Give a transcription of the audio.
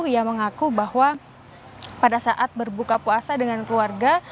ia mengaku bahwa pada saat berbuka puasa dengan keluarga